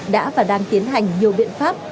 đã và đang tiến hành nhiều biện pháp